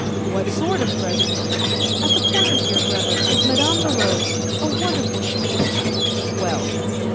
" What sort of present ?"" At the corner here, brother, is Madame Leroux's, a wonderful shop." " Well."